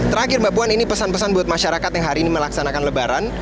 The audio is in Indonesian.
terakhir mbak puan ini pesan pesan buat masyarakat yang hari ini melaksanakan lebaran